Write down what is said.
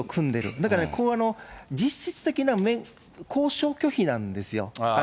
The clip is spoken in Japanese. だから実質的な交渉拒否なんですよ。